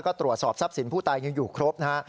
ก็ตรวจสอบทรัพย์สินผู้ตายยังอยู่ครบนะฮะ